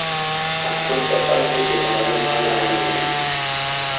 احمد د خلګو د ګوند غاړه ونيوله.